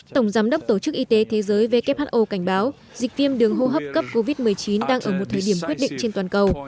tổng giám đốc tổ chức y tế thế giới who cảnh báo dịch viêm đường hô hấp cấp covid một mươi chín đang ở một thời điểm quyết định trên toàn cầu